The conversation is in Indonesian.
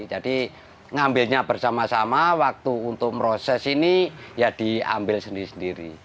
jadi mengambilnya bersama sama waktu untuk meroses ini ya diambil sendiri sendiri